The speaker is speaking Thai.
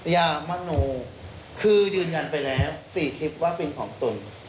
ยามโนคือยืนยันไปแล้ว๔คลิปว่าเป็นของตน